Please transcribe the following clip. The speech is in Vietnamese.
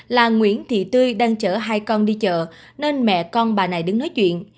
là nguyễn thị tươi đang chở hai con đi chợ nên mẹ con bà này đứng nói chuyện